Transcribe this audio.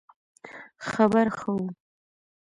خبر ښه وو